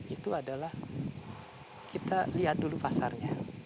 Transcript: itu adalah kita lihat dulu pasarnya